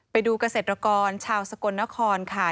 ไปดูเกษตรกรชาวสกลนครค่ะ